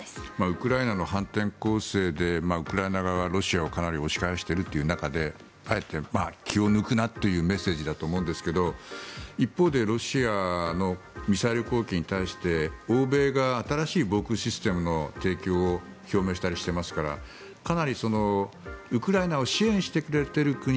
ウクライナの反転攻勢でウクライナ側はロシアをかなり押し返しているという中であえて、気を抜くなというメッセージだと思うんですが一方でロシアのミサイル攻撃に対して欧米が新しい防空システムの提供を表明したりしていますからかなり、ウクライナを支援してくれている国